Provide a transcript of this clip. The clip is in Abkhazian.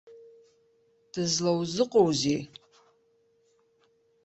Дызлоузыҟоузеи?